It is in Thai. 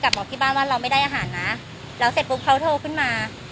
บอกที่บ้านว่าเราไม่ได้อาหารนะแล้วเสร็จปุ๊บเขาโทรขึ้นมา